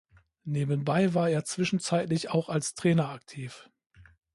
Nebenbei war er zwischenzeitlich auch als Trainer aktiv.